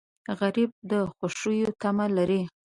غریب د خوښیو تمه لري